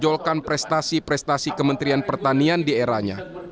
menjolkan prestasi prestasi kementerian pertanian di eranya